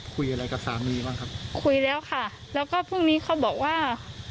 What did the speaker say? คุยอะไรกับสามีบ้างครับคุยแล้วค่ะแล้วก็พรุ่งนี้เขาบอกว่า